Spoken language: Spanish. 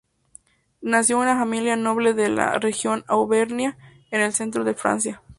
Nació en una familia noble de la región Auvernia, en el centro de Francia.